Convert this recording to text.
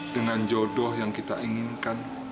dengan jodoh yang kita inginkan